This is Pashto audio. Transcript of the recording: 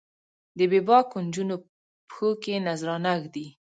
د بې باکو نجونو پښو کې نذرانه ږدي